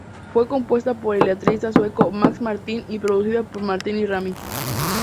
Fue compuesta por el letrista sueco Max Martin y producida por Martin y Rami.